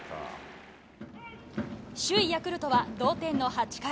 首位ヤクルトは同点の８回。